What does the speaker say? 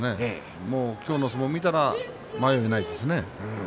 今日の相撲を見たら迷いがないですね。